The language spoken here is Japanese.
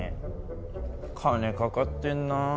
金かかってんな。